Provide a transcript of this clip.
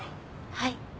はい。